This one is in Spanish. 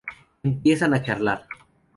Empiezan a charlar.